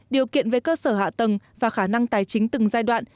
điều kiện về cơ sở hạ tầng và khả năng tài chính từng giai đoạn